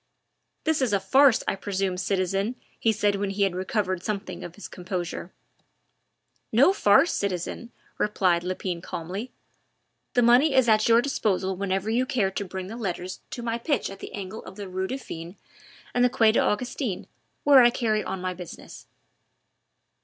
"This is a farce, I presume, citizen," he said when he had recovered something of his composure. "No farce, citizen," replied Lepine calmly. "The money is at your disposal whenever you care to bring the letters to my pitch at the angle of the Rue Dauphine and the Quai des Augustins, where I carry on my business."